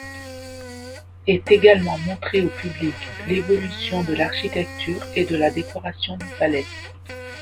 Est également montrée au public l'évolution de l'architecture et de la décoration du palais.